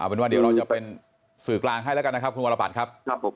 เป็นว่าเดี๋ยวเราจะเป็นสื่อกลางให้แล้วกันนะครับคุณวรบัตรครับผม